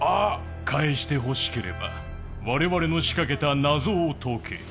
返してほしければ、我々の仕掛けた謎を解け。